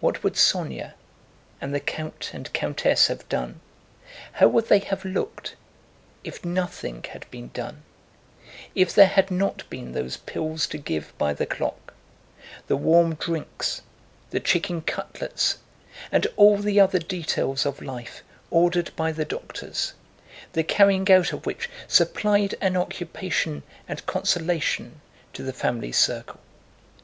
What would Sónya and the count and countess have done, how would they have looked, if nothing had been done, if there had not been those pills to give by the clock, the warm drinks, the chicken cutlets, and all the other details of life ordered by the doctors, the carrying out of which supplied an occupation and consolation to the family circle?